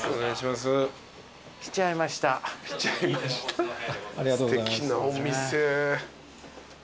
すてきなお店。